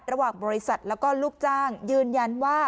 ระหว่างบริษัทแล้วก็ลูกจ้างยืนยันว่า